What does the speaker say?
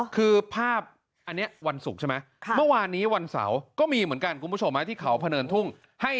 คือภาพอันนี้วันศุกร์ใช่ไหม